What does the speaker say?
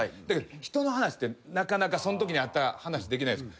だけど人の話ってなかなかそんときにあった話できない。